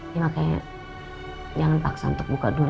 ya makanya jangan paksa untuk buka dulu